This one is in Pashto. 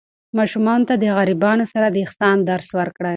ماشومانو ته د غریبانو سره د احسان درس ورکړئ.